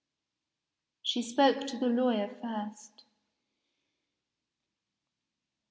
She spoke to the lawyer first.